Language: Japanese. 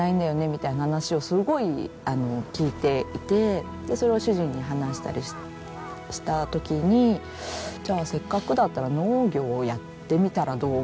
みたいな話をすごい聞いていてそれを主人に話したりした時に「じゃあせっかくだったら農業をやってみたらどう？」